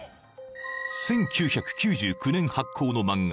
１９９９年発行のマンガ